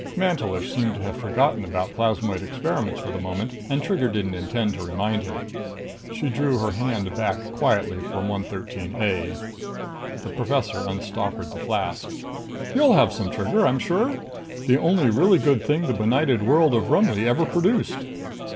Mantelish seemed to have forgotten about plasmoid experiments for the moment, and Trigger didn't intend to remind him. She drew her hand back quietly from 113 A. The professor unstoppered the flask. "You'll have some, Trigger, I'm sure? The only really good thing the benighted world of Rumli ever produced."